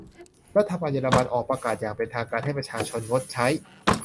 รัฐบาลเยอรมันออกประกาศอย่างเป็นทางการให้ประชาชนงดใช้